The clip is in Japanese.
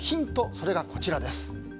それが、こちらです。